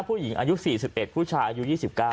ผู้หญิงอายุ๔๑ผู้ชายอายุ๒๙